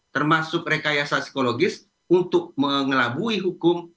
termasuk rekayasa psikologis untuk mengelabui hukum